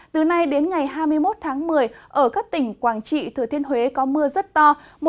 từ nay đến ngày hai mươi một tháng một mươi ở các tỉnh quảng trị thừa thiên huế có mưa rất to